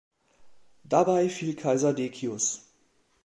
Dabei fiel Kaiser Decius.